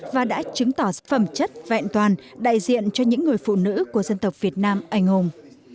và đã chứng tỏ phẩm chất vẹn toàn đại diện cho những người phụ nữ của dân tộc việt nam anh hùng